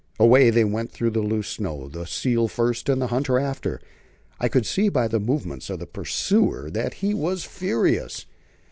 Away they went through the loose snow, the seal first and the hunter after. I could see by the movements of the pursuer that he was furious.